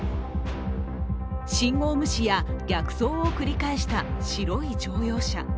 信号無視や逆走を繰り返した白い乗用車。